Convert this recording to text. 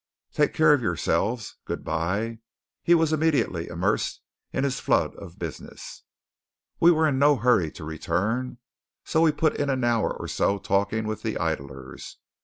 Take care of yoreselves. Good bye." He was immediately immersed in his flood of business. We were in no hurry to return, so we put in an hour or so talking with the idlers.